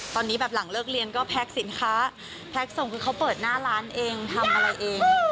ตอนนี้แบบหลังเลิกเรียนก็แพ็คสินค้าแพ็คส่งคือเขาเปิดหน้าร้านเองทำอะไรเอง